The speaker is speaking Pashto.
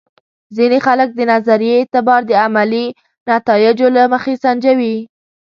ځینې خلک د نظریې اعتبار د عملي نتایجو له مخې سنجوي.